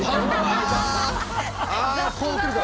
あこう来るか。